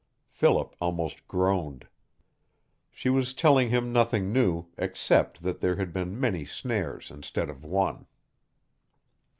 Philip almost groaned. She was telling him nothing new, except that there had been many snares instead of one.